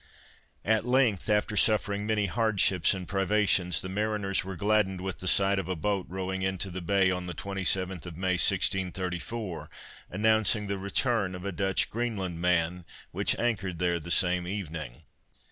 At length, after suffering many hardships and privations the mariners were gladdened with the sight of a boat rowing into the bay, on the 27th of May 1634, announcing the return of a Dutch Greenlandman, which anchored there the same evening.